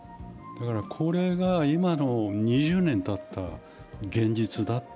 これが今の２０年たった現実だ。